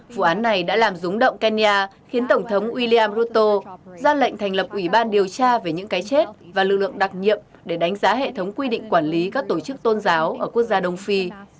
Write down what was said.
vụ án này đã làm rúng động kenya khiến tổng thống william rotto ra lệnh thành lập ủy ban điều tra về những cái chết và lực lượng đặc nhiệm để đánh giá hệ thống quy định quản lý các tổ chức tôn giáo ở quốc gia đông phi